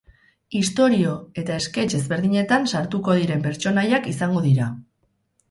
Istorio eta esketx ezberdinetan sartuko diren pertsonaiak izango dira.